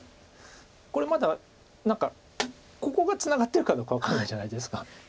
これまだ何かここがツナがってるかどうか分かんないじゃないですか。